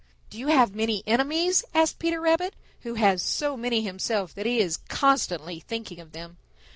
"Do you have many enemies?" asked Peter Rabbit, who has so many himself that he is constantly thinking of them.